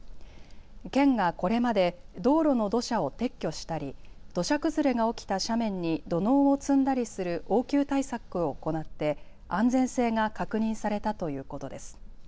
県がこれまで道路の土砂を撤去したり土砂崩れが起きた斜面に土のうを積んだりする応急対策を行って安全性が確認されたということです。